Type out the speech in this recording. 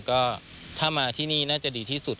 ก็ถ้ามาที่นี่น่าจะดีที่สุด